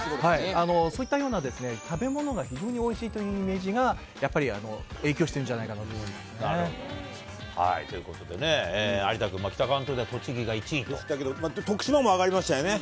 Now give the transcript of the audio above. そういったような食べ物が非常においしいというイメージが、やっぱり影響してるんじゃないかなと思いますね。ということでね、有田君、だけど、そうね。